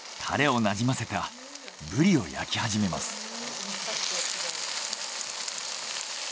たれをなじませたブリを焼き始めます。